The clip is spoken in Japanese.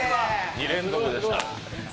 ２連続でした。